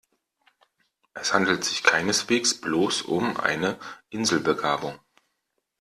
Es handelt sich keineswegs bloß um eine Inselbegabung.